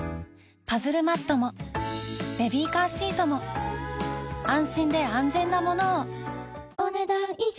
パズルマットもベビーカーシートも安心で安全なものをお、ねだん以上。